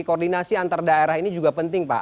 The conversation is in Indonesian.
koordinasi antar daerah ini juga penting pak